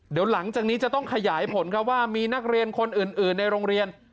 เดี๋ยวหลังจากนี้จะต้องขยายผลครับว่ามีนักเรียนคนอื่นในโรงเรียน